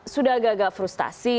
sudah agak agak frustasi